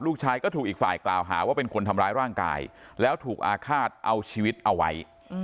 ลูกชายก็ถูกอีกฝ่ายกล่าวหาว่าเป็นคนทำร้ายร่างกายแล้วถูกอาฆาตเอาชีวิตเอาไว้